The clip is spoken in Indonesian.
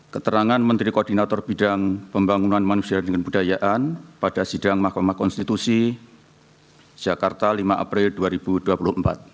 keterangan menteri koordinator bidang pembangunan manusia dan kebudayaan pada sidang mahkamah konstitusi jakarta lima april dua ribu dua puluh empat